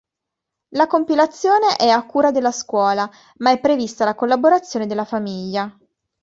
La compilazione è a cura della scuola, ma è prevista la collaborazione della famiglia.